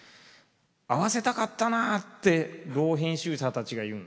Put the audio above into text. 「会わせたかったな」って老編集者たちが言う。